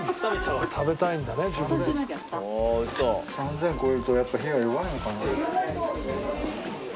３０００越えるとやっぱ火が弱いのかな？